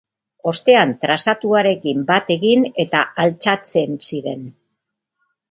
Ostean trazatuarekin bat egin eta altxatzen ziren.